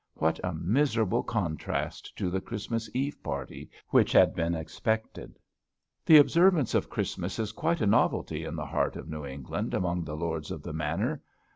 What a miserable contrast to the Christmas eve party which had been expected! The observance of Christmas is quite a novelty in the heart of New England among the lords of the manor.